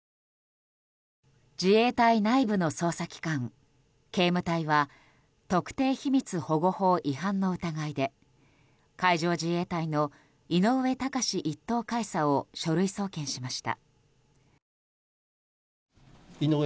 自衛隊内部の捜査機関、警務隊は特定秘密保護法違反の疑いで海上自衛隊の井上高志１等海佐を書類送検しました。